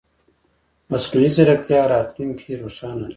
مصنوعي ځیرکتیا راتلونکې روښانه لري.